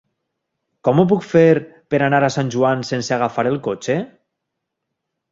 Com ho puc fer per anar a Sant Joan sense agafar el cotxe?